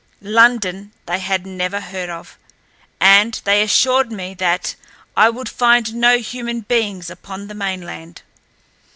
London they had never heard of, and they assured me that I would find no human beings upon the mainland.